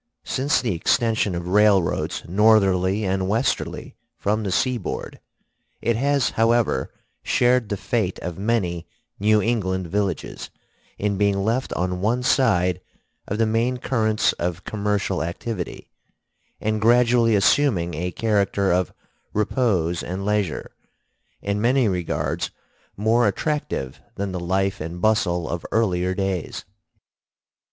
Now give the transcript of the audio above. Since the extension of railroads northerly and westerly from the seaboard, it has however shared the fate of many New England villages in being left on one side of the main currents of commercial activity, and gradually assuming a character of repose and leisure, in many regards more attractive than the life and bustle of earlier days.